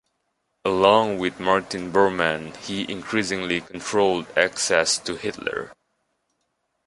Along with Martin Bormann, he increasingly controlled access to Hitler.